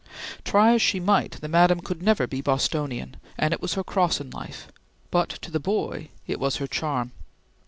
Try as she might, the Madam could never be Bostonian, and it was her cross in life, but to the boy it was her charm.